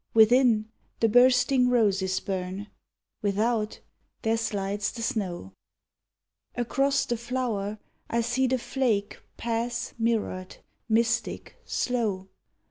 Within, the bursting roses burn, Without, there slides the snow. Across the flower I see the flake Pass mirrored, mystic, slow.